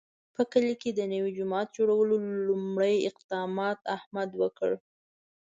په کلي کې د نوي جومات جوړولو لومړی اقدام احمد وکړ.